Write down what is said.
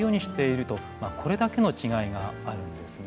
まあこれだけの違いがあるんですね。